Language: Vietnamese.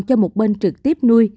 cho một bên trực tiếp nuôi